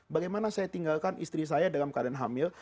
bagaimana saya tinggalkan istri saya dalam keadaan hamil